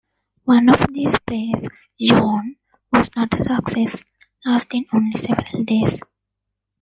One of these plays, "John", was not a success, lasting only several days.